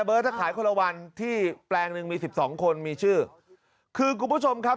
ถ้าขายคนละวันที่แปลงหนึ่งมีสิบสองคนมีชื่อคือคุณผู้ชมครับ